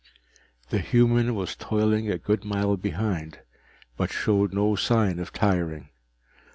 The human was toiling a good mile behind, but showed no sign of tiring.